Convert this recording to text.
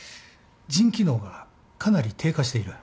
腎機能がかなり低下している。